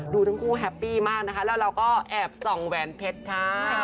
ทั้งคู่แฮปปี้มากนะคะแล้วเราก็แอบส่องแหวนเพชรค่ะ